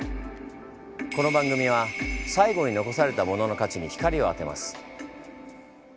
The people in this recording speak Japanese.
この番組は最後に残されたモノの価値に光を当てます。